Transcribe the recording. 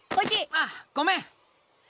ああごめん。